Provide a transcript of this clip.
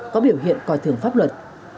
có biểu hiện còi thường pháp luật